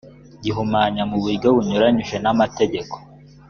gihumanya mu buryo bunyuranyije n’amategeko